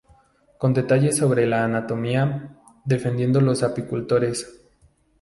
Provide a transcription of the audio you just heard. Con detalles sobre la anatomía, defendiendo los apicultores.